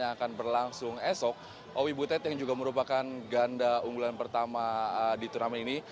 yang akan berlangsung esok owi butet yang juga merupakan ganda unggulan pertama di turnamen ini